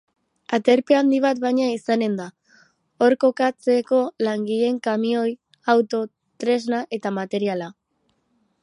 Aterpe handi bat egina izanen da, hor kokatzeko langileen kamioi, auto, tresna eta materiala.